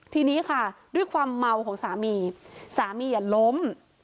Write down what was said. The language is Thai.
ทีนี้ค่ะด้วยความเมาของสามีสามีล้ม